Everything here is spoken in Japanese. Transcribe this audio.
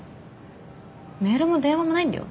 メールも電話もないんだよ